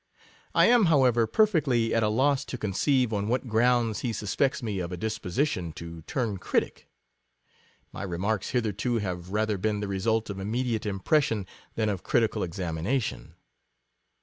I am, however, perfectly at a loss to conceive on whatgrounds he suspects me of a disposition to turn critic. My remarks hitherto have ra ther been the result of immediate impression than of critical examination.